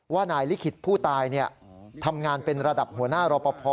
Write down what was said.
ว่านายลิขิตผู้ตายทำงานเป็นระดับหัวหน้ารอปภ